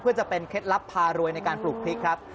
เพื่อจะเป็นเคล็ดลับพารวยในการปลูกพริกครับ